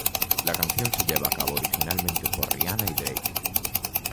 La canción se lleva a cabo originalmente por Rihanna y Drake.